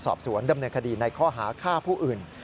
สอบสวนดำเนินคดีในข้อหาฆ่าผู้อื่น